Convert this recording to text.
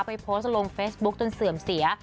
ไปโพสต์ลงเฟซบุ๊คจนเสื่อมเสีย